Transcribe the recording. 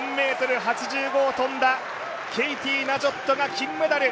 ４ｍ８５を跳んだケイティ・ナジョットが金メダル。